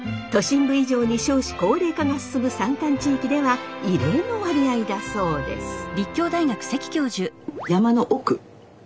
都心部以上に少子高齢化が進む山間地域では異例の割合だそうです。